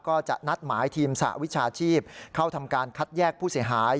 ก็จะนัดหมายทีมสหวิชาชีพเข้าทำการคัดแยกผู้เสียหาย